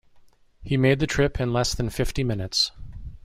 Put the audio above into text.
He made the trip in less than fifty minutes.